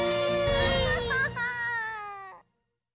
ハハハハ。